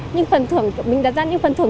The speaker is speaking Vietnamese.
những phần thưởng mình đặt ra những phần thưởng